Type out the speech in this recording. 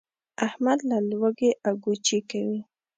احمد له لوږې اګوچې کوي.